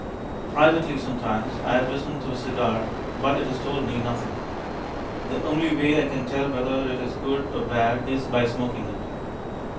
Privately sometimes I have listened to a cigar, but it has told me nothing. The only way I can tell whether it is good or bad is by smoking it.